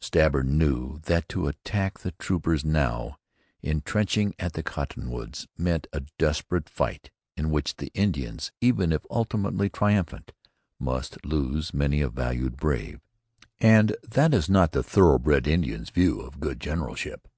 Stabber knew that to attack the troopers now entrenching at the cottonwoods meant a desperate fight in which the Indians, even if ultimately triumphant, must lose many a valued brave, and that is not the thoroughbred Indian's view of good generalship.